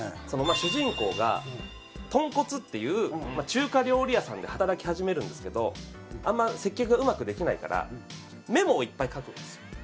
主人公がとんこつっていう中華料理屋さんで働き始めるんですけどあんま接客がうまくできないからメモをいっぱい書くんですよ。